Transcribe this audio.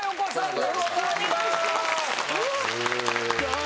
よろしくお願いします。